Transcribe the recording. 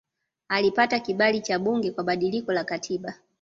Alipata kibali cha bunge kwa badiliko la katiba